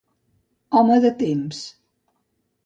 Home de temps.